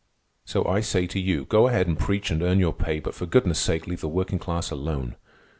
"So I say to you, go ahead and preach and earn your pay, but for goodness' sake leave the working class alone.